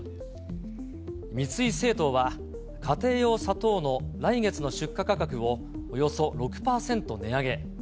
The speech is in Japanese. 三井製糖は、家庭用砂糖の来月の出荷価格をおよそ６％値上げ。